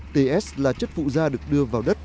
ts là chất phụ da được đưa vào đất